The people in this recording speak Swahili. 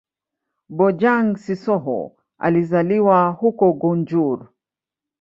Bojang-Sissoho alizaliwa huko Gunjur.